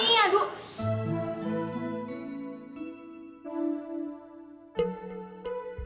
sekarang makannya apaan